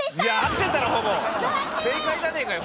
正解じゃねえかよ！